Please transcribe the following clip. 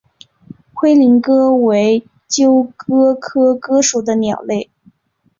灰林鸽为鸠鸽科鸽属的鸟类。